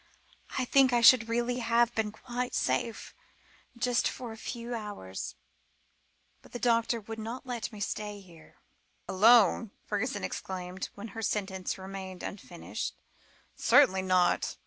I think I should really have been quite safe just for a few hours, but the doctor would not let me stay here " "Alone?" Fergusson exclaimed, when her sentence remained unfinished; "certainly not.